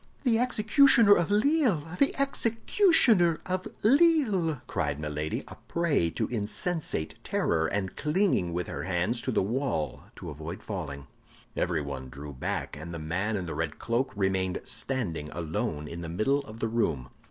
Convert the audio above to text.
"The executioner of Lille, the executioner of Lille!" cried Milady, a prey to insensate terror, and clinging with her hands to the wall to avoid falling. Everyone drew back, and the man in the red cloak remained standing alone in the middle of the room.